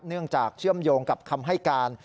เนื่องจากเชื่อมโยงกับคำให้การ